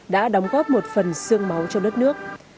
đã đóng góp một phần sương máu cho đất nước